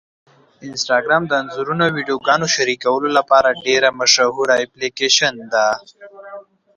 انسټاګرام د انځورونو او ویډیوګانو شریکولو لپاره ډېره مشهوره اپلیکېشن ده.